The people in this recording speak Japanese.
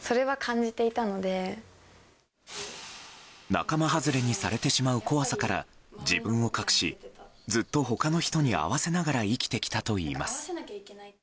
仲間外れにされてしまう怖さから自分を隠しずっと他の人に合わせながら生きてきたといいます。